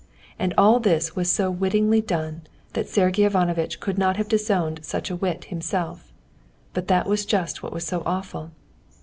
And all this was so wittily done that Sergey Ivanovitch would not have disowned such wit himself. But that was just what was so awful.